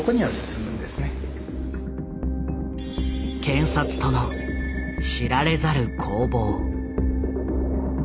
検察との知られざる攻防。